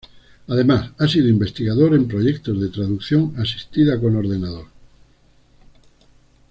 Además, ha sido investigador en proyectos de traducción asistida con ordenador.